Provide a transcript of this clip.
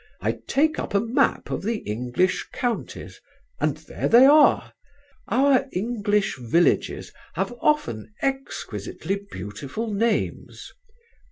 I take up a map of the English counties, and there they are. Our English villages have often exquisitely beautiful names.